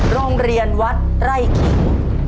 โรงเรียนวัดไร่ขิง